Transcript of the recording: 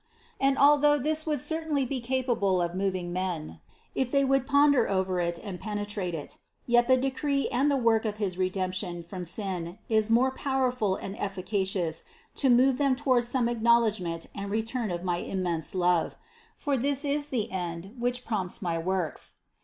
And although this would certainly be capable of moving men, if they would ponder over it and penetrate it; yet the decree and the work of his Re demption from sin is more powerful and efficacious to move them toward some acknowledgment and return of my immense love ; for this is the end, which prompts my works.